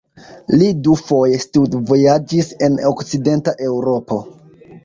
Li dufoje studvojaĝis en okcidenta Eŭropo.